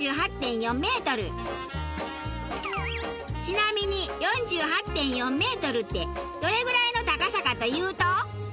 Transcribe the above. ちなみに４８．４メートルってどれぐらいの高さかというと。